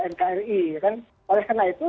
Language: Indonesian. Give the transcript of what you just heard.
nkri oleh karena itu